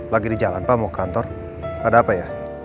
lagi di jalan pak mau kantor ada apa ya